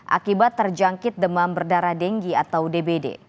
akibat terjangkit demam berdarah denggi atau dbd